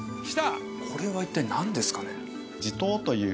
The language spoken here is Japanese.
これは一体何ですかね？